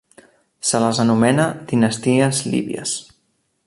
Se les anomena dinasties líbies.